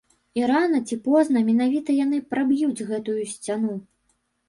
І рана ці позна менавіта яны праб'юць гэтую сцяну!